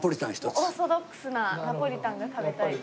オーソドックスなナポリタンが食べたいです。